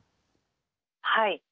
はい。